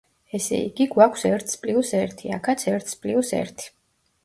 ესე იგი, გვაქვს ერთს პლიუს ერთი, აქაც ერთს პლიუს ერთი.